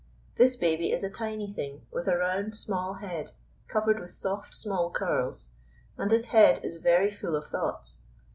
This baby is a tiny thing, with a round, small head, covered with soft, small curls; and this head is very full of thoughts.